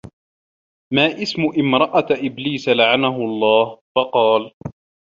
مَا اسْمُ امْرَأَةِ إبْلِيسَ لَعَنَهُ اللَّهُ ؟ فَقَالَ